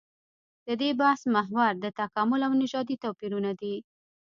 د دې بحث محور د تکامل او نژادي توپيرونه دي.